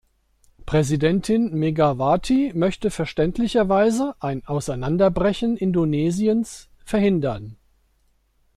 Präsidentin Megawati möchte verständlicherweise ein Auseinanderbrechen Indonesiens verhindern.